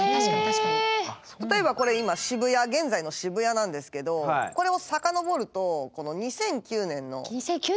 例えばこれ今渋谷現在の渋谷なんですけどこれを遡ると２００９年の渋谷まで。